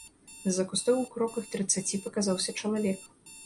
З-за кустоў у кроках трыццаці паказаўся чалавек.